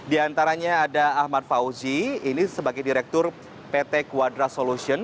ini sebagai direktur pt quadra solution